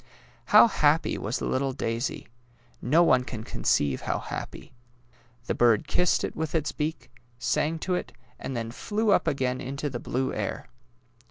How happy was the little daisy — no one can conceive how happy! The bird kissed it with his beak, sang to it, and then flew up again into the blue air.